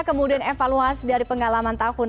kemudian evaluasi dari pengalaman tahun